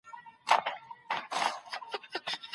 که خوب پوره نه وي، اشتها ګډوډېږي.